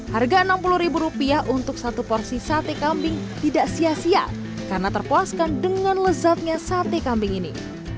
harga rp enam puluh untuk satu porsi sate kambing tidak sia sia karena terpuaskan dengan lezatnya sate kambing ini